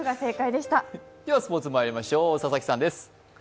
ではスポーツまいりましょう、佐々木さんです。